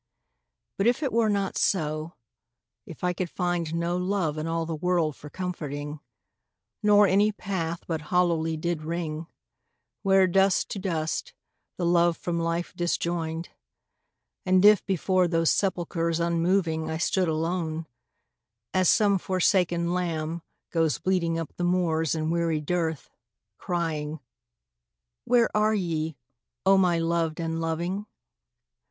But if it were not so, — if I could find No love in all the world for comforting, Nor any path but hollowly did ring, Where "dust to dust"the love from life disjoined And if before those sepulchres unmoving I stood alone (as some forsaken lamb Goes bleating up the moors in weary dearth), Crying, " Where are ye, O my loved and loving?"